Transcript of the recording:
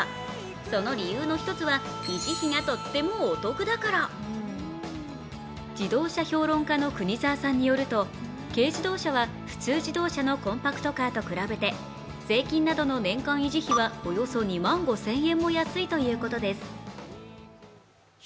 その理由の一つは維持費がとってもお得だから自動車評論家の国沢さんによると軽乗用車は普通乗用車のコンパクトカーと比べて税金などの年間維持費はおよそ２万５０００円も安いということです。